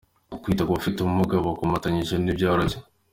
Kwita ku bafite ubumuga bukomatanyije ntibyoroshye.